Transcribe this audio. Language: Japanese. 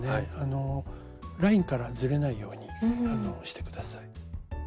ラインからずれないようにして下さい。